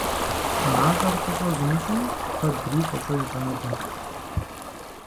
МащӀэр фӀыщӀэ зымыщӀым куэдри фӀыщӀэ ищӀынукъым.